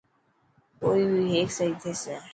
ڪوئي بي هيڪ سهي ٿيسي.